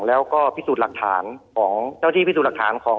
แล้วก็พิสูจน์หลักฐานของเจ้าที่พิสูจน์หลักฐานของ